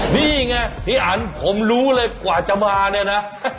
นี่ไงพี่อันผมรู้เลยกว่าจะมาเนี่ยนะ